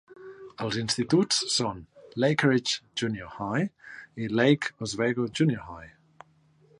Els instituts són Lakeridge Junior High y Lake Oswego Junior High.